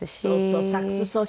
そうそう。